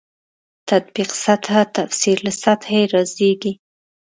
تطبیق سطح تفسیر له سطحې رازېږي.